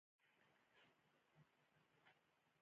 له خلاق تخریب څخه یې وېره احساسوله.